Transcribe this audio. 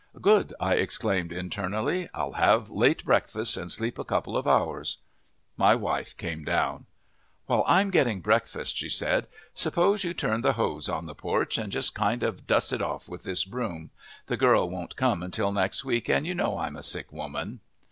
"Good!" I exclaimed internally. "I'll have late breakfast and sleep a couple of hours." My wife came down. "While I'm getting breakfast," she said, "suppose you turn the hose on the porch, and just kind of dust it off with this broom. The girl won't come until next week, and you know I'm a sick woman."